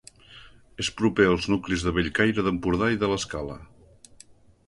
És proper als nuclis de Bellcaire d'Empordà i de l'Escala.